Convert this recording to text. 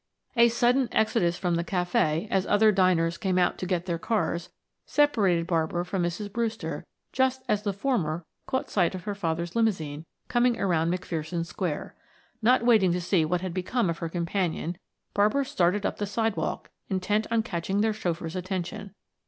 A sudden exodus from the cafe as other diners came out to get their cars, separated Barbara from Mrs. Brewster just as the former caught sight of her father's limousine coming around McPherson Square. Not waiting to see what had become of her companion, Barbara started up the sidewalk intent on catching their chauffeur's attention.